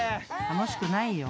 ［楽しくないよ］